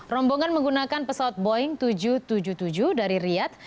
rombongan menggunakan pesawat boeing tujuh ratus tujuh puluh tujuh dari riyad